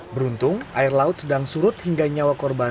beruntung air laut sedang surut hingga nyawa korban